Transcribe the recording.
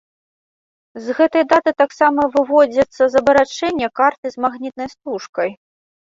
З гэтай даты таксама выводзяцца з абарачэння карты з магнітнай стужкай.